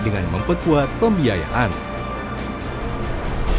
bank indonesia juga menjalankan pengulian ekonomi